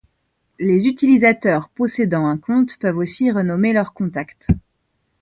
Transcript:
Les utilisateurs possédant un compte peuvent aussi renommer leurs contacts.